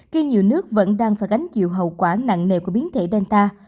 khi nhiều nước vẫn đang phải gánh chịu hậu quả nặng nề của biến thể danta